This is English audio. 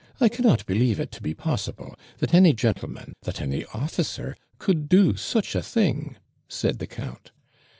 I cannot believe it to be possible, that any gentleman, that any officer, could do such a thing!' said the count.